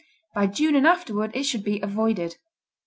By June and afterward it should be avoided.